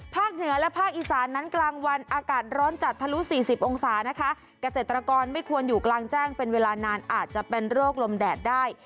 เหนือและภาคอีสานนั้นกลางวันอากาศร้อนจัดทะลุ๔๐องศานะคะเกษตรกรไม่ควรอยู่กลางแจ้งเป็นเวลานานอาจจะเป็นโรคลมแดดได้